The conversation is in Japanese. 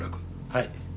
はい。